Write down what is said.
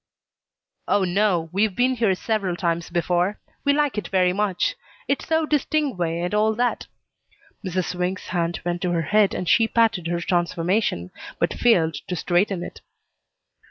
"Oh no we've been here several times before. We like it very much. It's so distinguay and all that." Mrs. Swink's hands went to her head and she patted her transformation, but failed to straighten it.